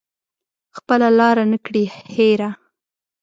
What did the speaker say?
خپله لاره نه کړي هیره